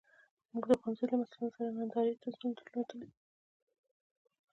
موږ د ښوونځي له مسوولانو سره ناندرۍ درلودې.